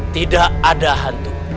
tidak ada hantu